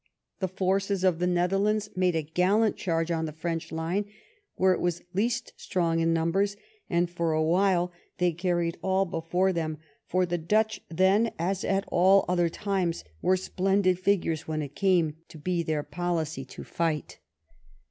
The forces of the Netherlands made a gallant charge on the French line where it was least strong in numbers, and for a while they carried all before tfiem, for the Dutch then, as at all other times, were splendid fighters when it came to be their policy to fight.